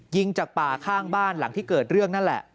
ยิงจากป่าข้างบ้านหลังที่เกิดเรื่องนั่นแหละ